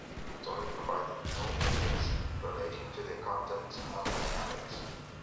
Doyle provided no evidence relating to the contents of "Dynamics".